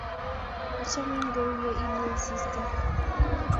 Achomin kou ye iluu asista.